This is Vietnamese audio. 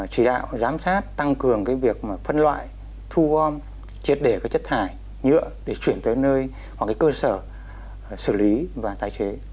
chí đạo giám sát tăng cường cái việc phân loại thu gom triệt để cái chất thải nhựa để chuyển tới nơi hoặc cái cơ sở xử lý và tài chế